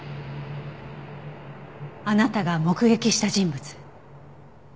あなたが目撃した人物。